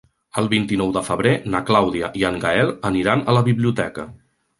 El vint-i-nou de febrer na Clàudia i en Gaël aniran a la biblioteca.